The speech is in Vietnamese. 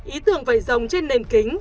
ý tưởng vẩy rồng trên nền kính